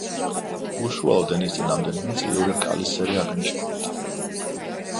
უშუალოდ ენის წინ რამდენიმე წლიური რკალური სერი აღინიშნება.